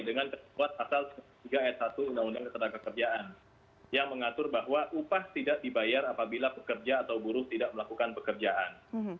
dengan ketentuan pasal tiga ayat satu undang undang ketenagakerjaan yang mengatur bahwa upah tidak dibayar apabila pekerja atau buruh tidak melakukan pekerjaan